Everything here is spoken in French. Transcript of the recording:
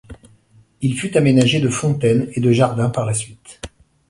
Il fut aménagé de fontaines et de jardins par la suite.